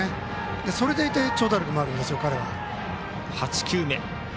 それでいて長打力もあるんですよ。